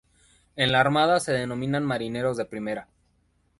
En la Armada se denominan marineros de primera.